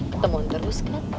ketemuan terus kan